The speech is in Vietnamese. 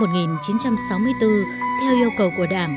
năm một nghìn chín trăm sáu mươi bốn theo yêu cầu của đảng